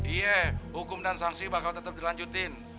iya hukum dan sanksi bakal tetap dilanjutin